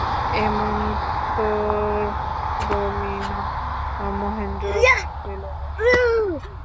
এমনতরো মিণ মহেন্দ্রের কাছে লোভনীয় নহে।